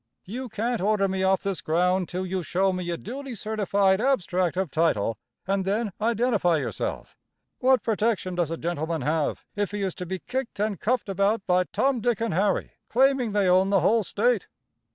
You can't order me off this ground till you show me a duly certified abstract of title and then identify yourself. What protection does a gentleman have if he is to be kicked and cuffed about by Tom, Dick and Harry, claiming they own the whole State.